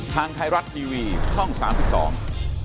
ทางไทรัตน์ทีวีช่อง๓๒